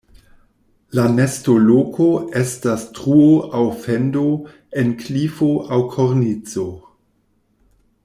La nestoloko estas truo aŭ fendo en klifo aŭ kornico.